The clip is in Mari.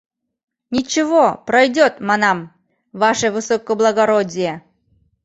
— Ничего, пройдёт, манам, ваше высокоблагородие.